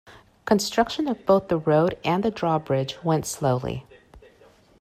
Construction of both the road and the drawbridge went slowly.